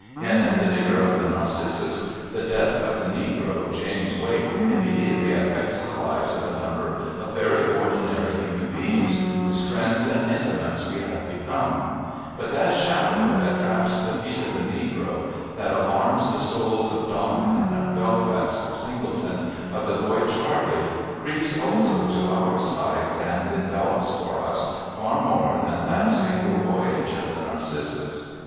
In The Nigger of the Narcissus the death of the negro, James Wait, immediately affects the lives of a number of very ordinary human beings whose friends and intimates we have become but that shadow that traps the feet of the negro, that alarms the souls of Donkin, of Belfast, of Singleton, of the boy Charlie, creeps also to our sides and envelops for us far more than that single voyage of the Narcissus.